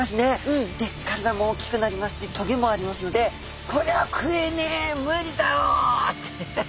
で体も大きくなりますし棘もありますのでこれは食えねえ無理だろって。